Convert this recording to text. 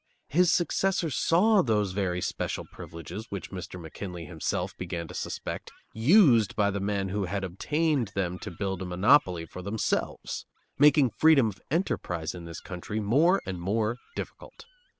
His successor saw those very special privileges, which Mr. McKinley himself began to suspect, used by the men who had obtained them to build up a monopoly for themselves, making freedom of enterprise in this country more and more difficult.